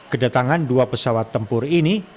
kedatangan dua pesawat tempur ini